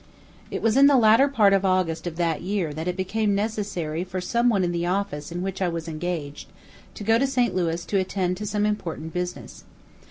It was in the latter part of August of that year that it became necessary for some one in the office in which I was engaged to go to St. Louis to attend to important business.